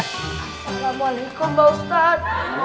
assalamualaikum mba ustadz